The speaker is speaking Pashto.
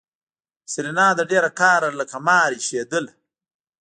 سېرېنا له ډېره قهره لکه مار پشېدله.